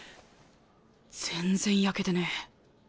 全然焼けてねぇ。